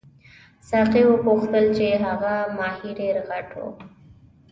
ساقي وپوښتل چې هغه ماهي ډېر غټ وو.